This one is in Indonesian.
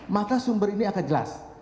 maka sumber ini akan jelas